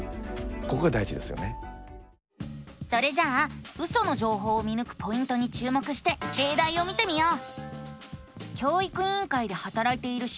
それじゃあウソの情報を見ぬくポイントに注目してれいだいを見てみよう！